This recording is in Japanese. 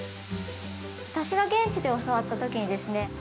私が現地で教わった時にですね